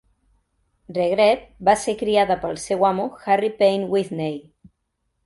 Regret va ser criada pel seu amo, Harry Payne Whitney.